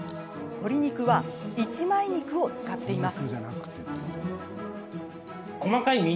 鶏肉は一枚肉を使っています。